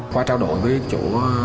qua trao đổi với chủ